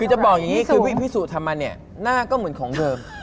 คือจะบอกอย่างนี้คือพิสุทำมาเนี่ยหน้าก็เหมือนของเดิม